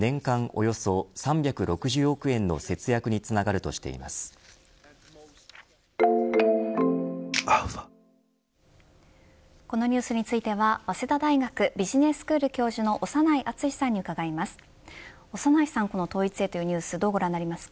およそ３６０億円の節約につながるこのニュースについては早稲田大学ビジネススクール教授の長内厚さんに伺います。